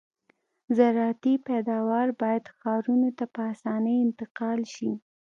زراعتي پیداوار باید ښارونو ته په اسانۍ انتقال شي